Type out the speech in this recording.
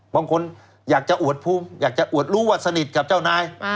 บางคนอยากจะอวดภูมิอยากจะอวดรู้ว่าสนิทกับเจ้านาย